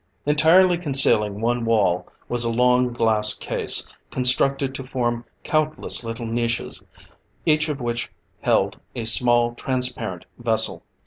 Entirely concealing one wall was a long, glass case, constructed to form countless little niches, each of which held a small, transparent vessel.